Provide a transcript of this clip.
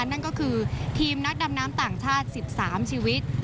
นั่นก็คือทีมนักดำน้ำต่างชาติ๑๓ชีวิต